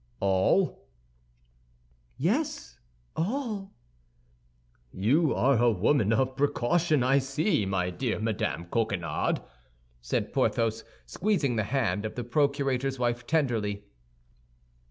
"All?" "Yes, all." "You are a woman of precaution, I see, my dear Madame Coquenard," said Porthos, squeezing the hand of the procurator's wife tenderly.